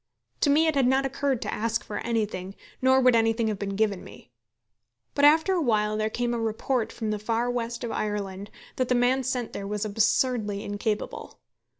To me it had not occurred to ask for anything, nor would anything have been given me. But after a while there came a report from the far west of Ireland that the man sent there was absurdly incapable.